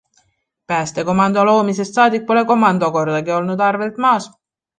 Päästekomando loomisest saadik pole komando kordagi olnud arvelt maas.